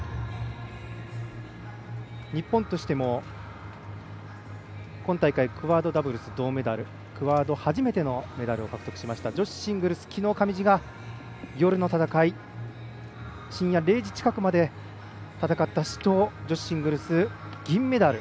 日本としても今大会クアードダブルス銅メダルクアード初めてのメダルを獲得しました女子シングルス、きのう上地が夜の戦い、深夜０時近くまで戦った死闘で女子シングルス銀メダル。